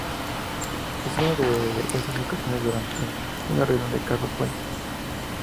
En una de esas ocasiones fue durante una reunión de Carlos Fuentes.